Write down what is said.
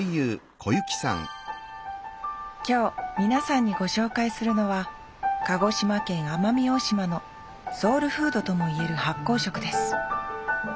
今日皆さんにご紹介するのは鹿児島県奄美大島のソウルフードともいえる発酵食です